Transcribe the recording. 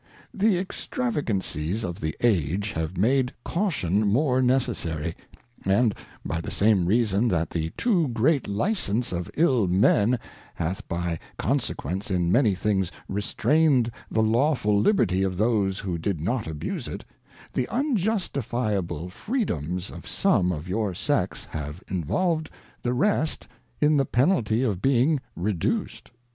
The Extravagancies of the Age have made Caution more necessary ; and by the same reason that the too great Licence of ill Men hath by Consequence in many things restrained the Lawful Liberty of those who did not abuse it, the unjustifiable Freedoms of some of your Sex have involved the rest in the Penalty of being reduced.